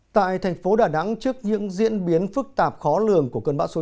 tại thành phố đà nẵng trước những diễn biến phức tạp khó lường của cơn bão số sáu